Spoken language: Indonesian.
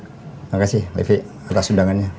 terima kasih levi atas undangannya